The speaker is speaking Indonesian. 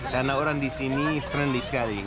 karena orang di sini friendly sekali